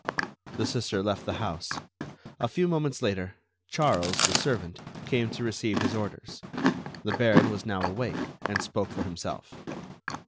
The Sister left the house. A few moments later, Charles, the servant, came to receive his orders. The Baron was now awake, and spoke for himself.